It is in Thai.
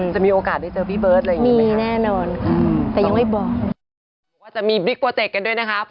จะมีโอกาสได้เจอพี่เบิร์ตอะไรอย่างนี้ไหมคะมีแน่นอนค่ะแต่ยังไม่บอก